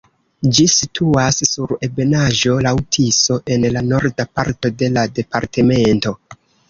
Ĝi situas sur ebenaĵo laŭ Tiso en la norda parto de la departemento.